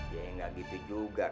ya gak gitu juga kali